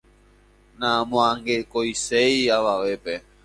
Namoangekoiséi avavépe.